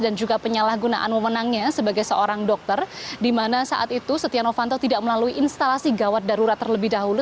dan juga penyalahgunaan memenangnya sebagai seorang dokter di mana saat itu setia novanto tidak melalui instalasi gawat darurat terlebih dahulu